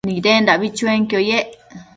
Nidendabi chuenquio yec